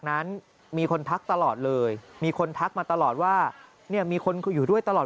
นั้นมีคนทักตลอดเลยมีคนทักมาตลอดว่าเนี่ยมีคนอยู่ด้วยตลอด